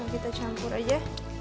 kita campur aja